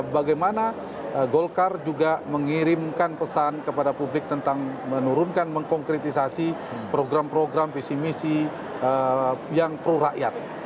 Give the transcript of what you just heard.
bagaimana golkar juga mengirimkan pesan kepada publik tentang menurunkan mengkonkritisasi program program visi misi yang pro rakyat